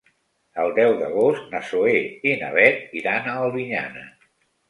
El deu d'agost na Zoè i na Bet iran a Albinyana.